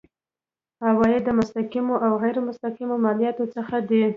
عواید د مستقیمو او غیر مستقیمو مالیاتو څخه دي.